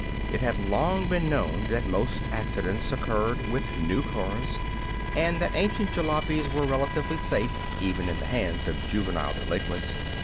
It had long been known that most accidents occurred with new cars, and that ancient jalopies were relatively safe even in the hands of juvenile delinquents.